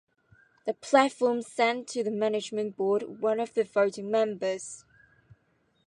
The platforms send to the Management Board one of their voting members.